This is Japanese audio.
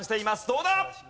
どうだ？